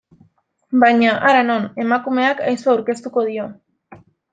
Baina, hara non, emakumeak ahizpa aurkeztuko dio.